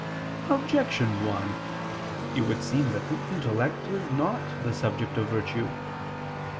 Objection 1: It would seem that the intellect is not the subject of virtue.